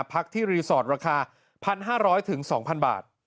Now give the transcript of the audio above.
พักที่รีสอร์ทราคา๑๕๐๐๒๐๐บาท